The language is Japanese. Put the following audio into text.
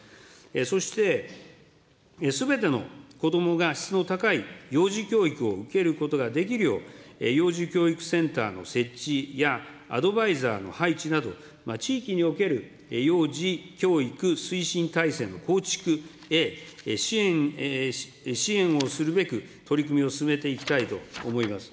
そして、すべてのこどもが質の高い幼児教育を受けることができるよう、幼児教育センターの設置や、アドバイザーの配置など、地域における幼児教育推進体制の構築へ支援をするべく、取り組みを進めていきたいと思います。